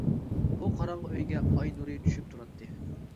بۇ قاراڭغۇ ئۆيگە ئاي نۇرى چۈشۈپ تۇراتتى.